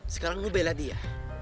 sekarang lo bela dia